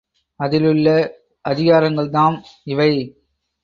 அதிலுள்ள அதிகாரங்கள்தாம் இவை.